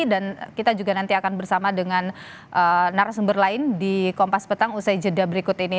dan kita juga nanti akan bersama dengan narasumber lain di kompas petang usai jeda berikut ini